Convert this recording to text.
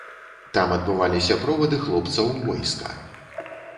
Там адбываліся провады хлопца ў войска.